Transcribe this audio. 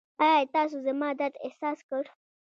ایا تاسو زما درد احساس کړ؟